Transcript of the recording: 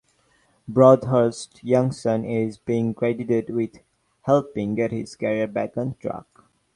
Broadhurst's young son is being credited with helping get his career back on track.